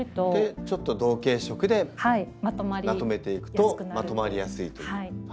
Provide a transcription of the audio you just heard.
ちょっと同系色でまとめていくとまとまりやすいと。